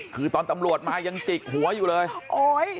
คือตอนตำรวจมายังจิกหัวอยู่เลยโอ้ย